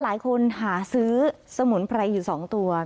หลายคนหาซื้อสมุนไพรอยู่๒ตัว